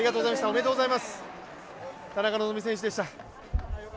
田中希実選手でした。